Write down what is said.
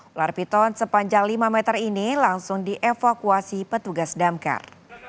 ular piton sepanjang lima meter ini langsung dievakuasi petugas damkar